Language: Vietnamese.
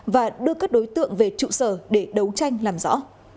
và đưa các đối tượng về trụ sở để đấu tranh làm rõ